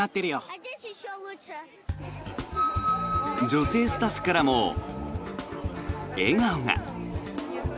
女性スタッフからも笑顔が。